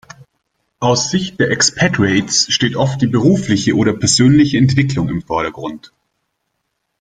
Aus Sicht der Expatriates steht oft die berufliche oder persönliche Entwicklung im Vordergrund.